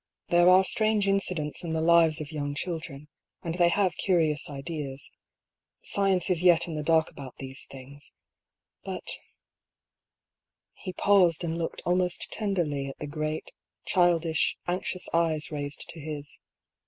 " There are strange incidents in the lives of young children, and they have curious ideas — science is yet in the dark about these things. But " He paused and looked almost tenderly at the great, childish, anxious eyes raised to his.